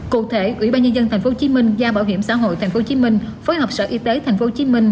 cụ thể ủy ban nhân dân tp hcm giao bảo hiểm xã hội tp hcm phối hợp sở y tế tp hcm